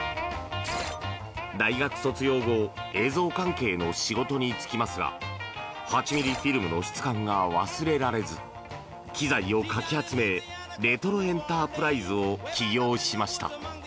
大学卒業後映像関係の仕事に就きますが８ｍｍフィルムの質感が忘れられず、機材をかき集めレトロエンタープライズを起業しました。